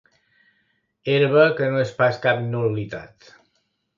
Herba que no és pas cap nul·litat.